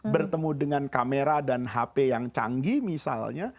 bertemu dengan kamera dan hp yang canggih misalnya